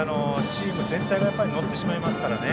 チーム全体が乗ってしまいますからね。